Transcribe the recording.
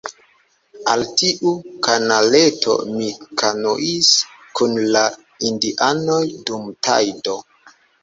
Al tiu kanaleto mi kanuis kun la indianoj dum tajdo.